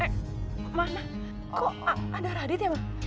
eh mana kok ada radit ya ma